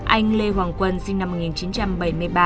anh lê hoàng quân sinh năm một nghìn chín trăm bảy mươi ba